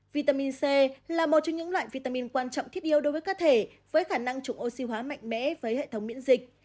vitamin c là một trong những loại vitamin quan trọng thiết yếu đối với cơ thể với khả năng chủng oxy hóa mạnh mẽ với hệ thống miễn dịch